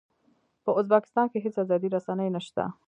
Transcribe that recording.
په ازبکستان کې هېڅ ازادې رسنۍ نه شته.